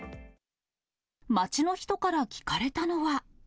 街の人から聞かれたのは。